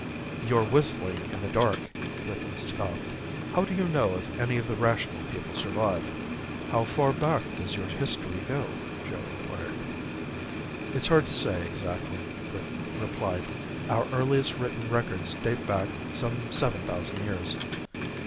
"You're whistling in the dark," Griffin scoffed. "How do you know if any of the Rational People survive?" "How far back does your history go?" Joe inquired. "It's hard to say exactly," Griffin replied. "Our earliest written records date back some seven thousand years."